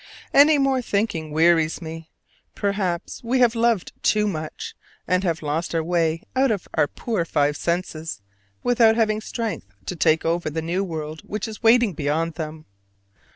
Any more thinking wearies me. Perhaps we have loved too much, and have lost our way out of our poor five senses, without having strength to take over the new world which is waiting beyond them.